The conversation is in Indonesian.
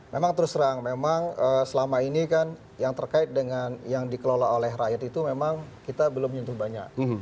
memang terus terang memang selama ini kan yang terkait dengan yang dikelola oleh rakyat itu memang kita belum menyentuh banyak